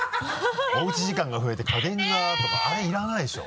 「おうち時間が増えて家電が」とかあれいらないでしょ？